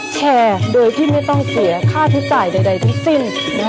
แชร์โดยที่ไม่ต้องเสียค่าใช้จ่ายใดทั้งสิ้น